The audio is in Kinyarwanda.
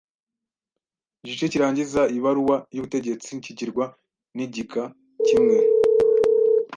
igice kirangiza ibaruwa y’ ubutegetsi kigirwa n’igika kimwe.